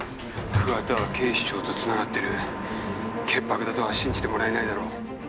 「桑田は警視庁と繋がってる」「潔白だとは信じてもらえないだろう」